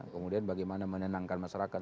kemudian bagaimana menenangkan masyarakat